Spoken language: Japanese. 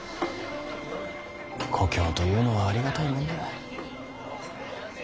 故郷というのはありがたいもんだ。